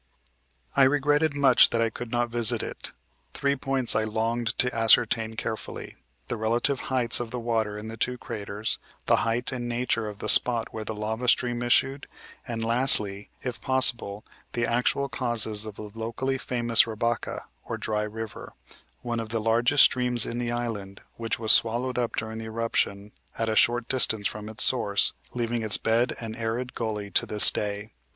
"I regretted much that I could not visit it. Three points I longed to ascertain carefully the relative heights of the water in the two craters; the height and nature of the spot where the lava stream issued; and, lastly, if possible, the actual causes of the locally famous Rabacca, or 'Dry River,' one of the largest streams in the island, which was swallowed up during the eruption, at a short distance from its source, leaving its bed an arid gully to this day.